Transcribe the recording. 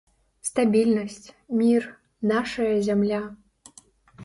Стабільнасць, мір, нашая зямля.